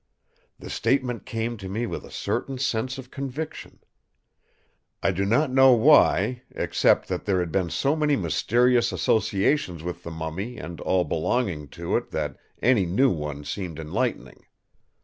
The statement came to me with a certain sense of conviction. I do not know why, except that there had been so many mysterious associations with the mummy and all belonging to it that any new one seemed enlightening.